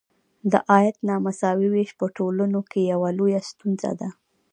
د عاید نامساوي ویش په ټولنو کې یوه لویه ستونزه ده.